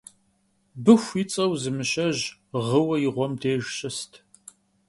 Быху ицӀэу зы мыщэжь гъыуэ и гъуэм деж щыст